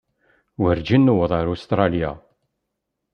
Werǧin newweḍ ar Ustṛalya.